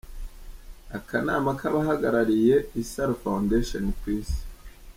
Akanama k’abahagarariye Isaro Foundation ku Isi.